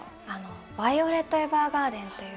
「ヴァイオレット・エヴァーガーデン」という。